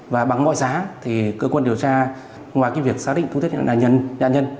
và bằng mọi giá thì cơ quan điều tra ngoài cái việc xác định thương tích của nạn nhân